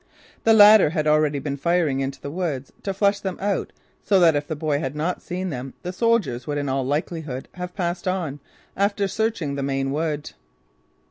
The latter had already been firing into the woods to flush them out so that if the boy had not seen them the soldiers would in all likelihood have passed on, after searching the main wood.